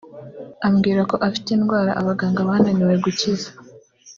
Ambwira ko afite indwara abaganga bananiwe gukiza